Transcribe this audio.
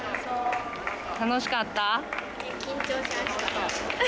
楽しかった？